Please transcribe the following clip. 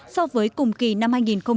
sau với cùng kỳ năm hai nghìn một mươi sáu